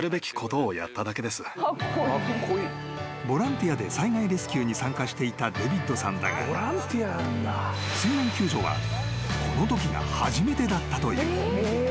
［ボランティアで災害レスキューに参加していたデビッドさんだが水難救助はこのときが初めてだったという］